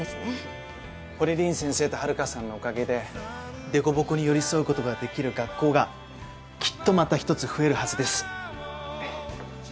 堀凛先生と春香さんのおかげで凸凹に寄り添う事ができる学校がきっとまた一つ増えるはずです。